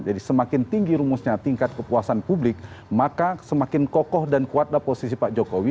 jadi semakin tinggi rumusnya tingkat kepuasan publik maka semakin kokoh dan kuatlah posisi pak jokowi